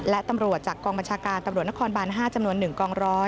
และตำรวจจากกองบัญชาการตำรวจนครบาน๕จำนวน๑กองร้อย